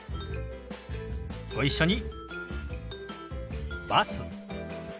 ご一緒に。